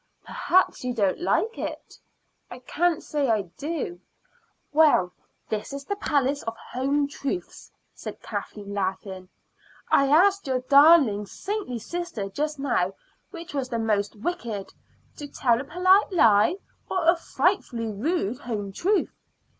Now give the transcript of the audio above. "Perhaps you don't like it." "I can't say I do." "Well, this is the Palace of Home Truths," said Kathleen, laughing. "I asked your darling, saintly sister just now which was the most wicked to tell a polite lie, or a frightfully rude home truth.